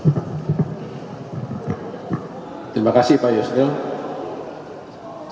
saya ingin menyampaikan beberapa hal penting bahwa selain yang sudah disampaikan oleh pak yusril tadi